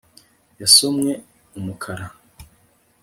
yasomwe umukara